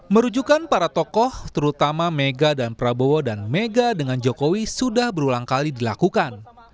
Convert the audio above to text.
merujukan para tokoh terutama mega dan prabowo dan mega dengan jokowi sudah berulang kali dilakukan